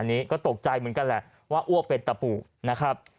อันนี้ก็ตกใจเหมือนกันแหละว่าอ้วกเป็นตะปูนะครับ